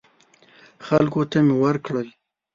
خلکو ته مې ورکړل.